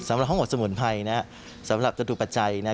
สำหรับห้องอบสมุนไพรน่ะสำหรับกระดูกประจัยน่ะ